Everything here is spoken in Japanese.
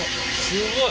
すごい。